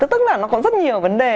tức là nó có rất nhiều vấn đề